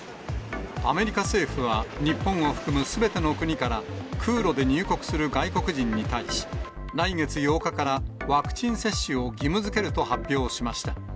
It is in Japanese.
アメリカ政府は、日本を含むすべての国から空路で入国する外国人に対し、来月８日からワクチン接種を義務づけると発表しました。